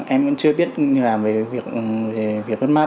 em cũng chưa biết làm việc vất mắt